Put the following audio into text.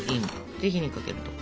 で火にかけると。